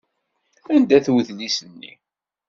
Anda-t wedlis-nni?